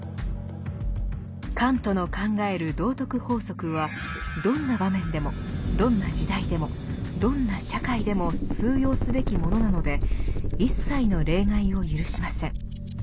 カントの考える道徳法則はどんな場面でもどんな時代でもどんな社会でも通用すべきものなので一切の例外を許しません。